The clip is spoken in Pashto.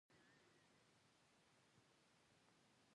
په نولس سوه اتیا کال کې خپلواک هېواد تاسیس شو.